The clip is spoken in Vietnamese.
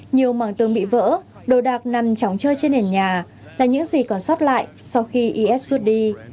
nhiều bức tượng bị vỡ đồ đạc nằm tróng chơi trên đền nhà là những gì còn sót lại sau khi is xuất đi